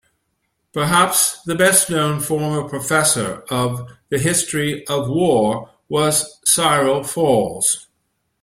Perhaps the best known former Professor of the History of War was Cyril Falls.